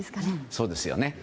そうですよね。